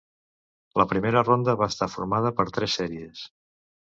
La primera ronda va estar formada per tres sèries.